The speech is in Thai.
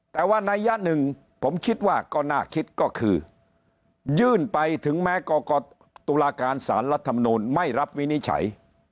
แต่ว่านัยยะหนึ่งผมคิดว่าก็น่าคิดก็คือยื่นไปถึงแม้กรกตุลาการสารรัฐมนูลไม่รับวินิจฉัย